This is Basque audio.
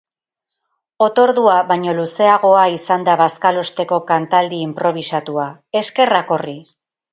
Otordua baino luzeagoa izan da bazkalosteko kantaldi inprobisatua, eskerrak horri.